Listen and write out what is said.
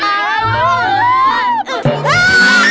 hai kalopade dateng yuk